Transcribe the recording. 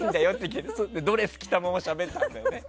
結局、ドレス着たまましゃべったんだよね。